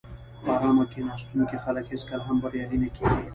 په آرامه کیناستونکي خلک هېڅکله هم بریالي نه کېږي.